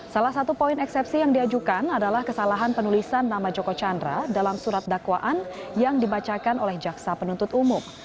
salah satu poin eksepsi yang diajukan adalah kesalahan penulisan nama joko chandra dalam surat dakwaan yang dibacakan oleh jaksa penuntut umum